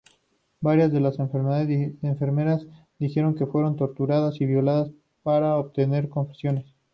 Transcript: Varias de los enfermeras dijeron que fueron torturadas y violadas para obtener confesiones.